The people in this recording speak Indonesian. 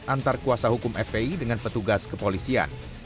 antar kuasa hukum fpi dengan petugas kepolisian